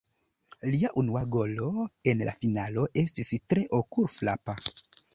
Lia unua golo en la finalo estis tre okul-frapa.